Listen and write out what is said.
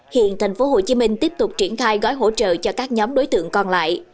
hiện thành phố hồ chí minh tiếp tục triển khai gói hỗ trợ cho các nhóm đối tượng còn lại